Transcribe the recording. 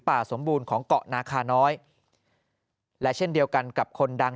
ป่าสมบูรณ์ของเกาะนาคาน้อยและเช่นเดียวกันกับคนดัง